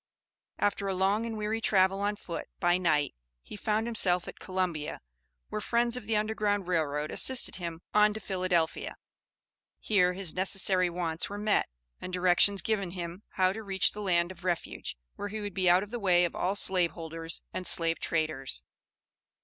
After a long and weary travel on foot by night, he found himself at Columbia, where friends of the Underground Rail Road assisted him on to Philadelphia. Here his necessary wants were met, and directions given him how to reach the land of refuge, where he would be out of the way of all slave holders and slave traders.